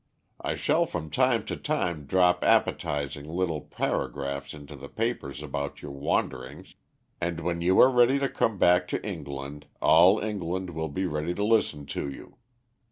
I shall from time to time drop appetising little paragraphs into the papers about your wanderings, and when you are ready to come back to England, all England will be ready to listen to you.